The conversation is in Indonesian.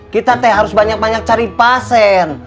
kita teh harus banyak banyak cari pasien